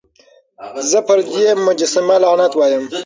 زه پر دې مجسمه لعنت وايم.